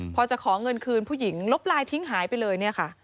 พอจะขอเงินคืนผู้หญิงลบไลน์ทิ้งหายไปเลย